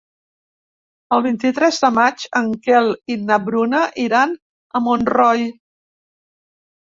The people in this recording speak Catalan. El vint-i-tres de maig en Quel i na Bruna iran a Montroi.